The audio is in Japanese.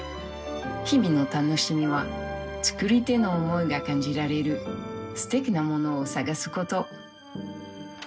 日々の楽しみは作り手の思いが感じられるすてきなものを探すこと。